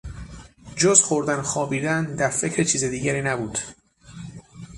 جز خوردن و خوابیدن در فکر چیز دیگری نبود.